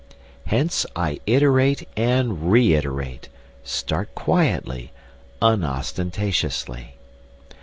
Hence I iterate and reiterate: Start quietly, unostentatiously.